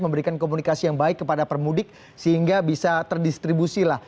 memberikan komunikasi yang baik kepada permudik sehingga bisa terdistribusi lah